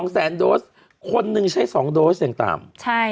๒แสนโดสคนหนึ่งใช้๒โดสยังต่ำ